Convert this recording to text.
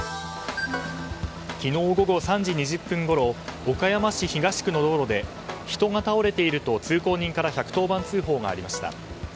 昨日午後３時２０分ごろ岡山市東区の道路で人が倒れていると通行人から１１０番通報がありました。